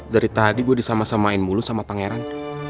dari tadi gue disama samain mulu sama pangeran